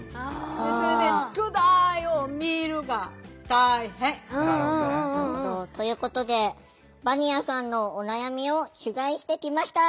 それで宿題を見るのが大変。ということでヴァニアさんのお悩みを取材してきました。